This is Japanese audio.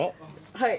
はい。